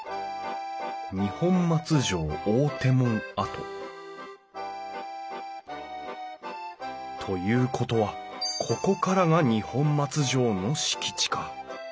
「二本松城大手門跡」ということはここからが二本松城の敷地か。